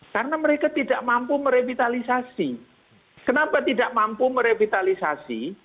karena mereka tidak mampu merevitalisasi kenapa tidak mampu merevitalisasi